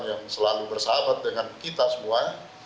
yang selalu bersahabat dengan kita semua